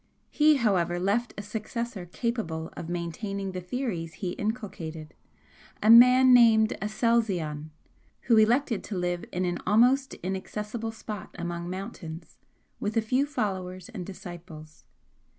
He, however, left a successor capable of maintaining the theories he inculcated, a man named Aselzion, who elected to live in an almost inaccessible spot among mountains with a few followers and disciples.